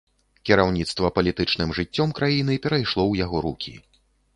Кіраўніцтва палітычным жыццём краіны перайшло ў яго рукі.